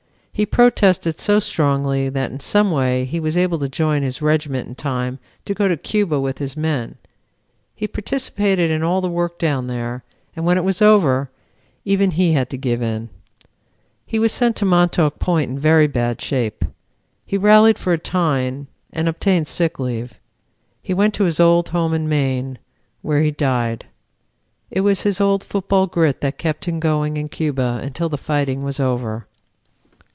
He protested so strongly that in some way he was able to join his regiment in time to go to Cuba with his men. He participated in all the work down there; and when it was over, even he had to give in. He was sent to Montauk Point in very bad shape. He rallied for a time and obtained sick leave. He went to his old home in Maine, where he died. It was his old football grit that kept him going in Cuba until the fighting was over.